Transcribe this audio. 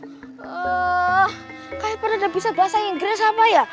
eeeeh kayaknya pada udah bisa bahasa inggris apa ya